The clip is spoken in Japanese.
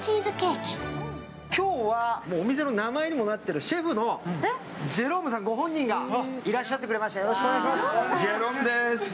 今日はお店の名前になっている、シェフのジェロームさんご本人がいらっしゃってくれました。